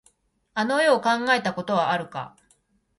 あの世を考えたことはあるか。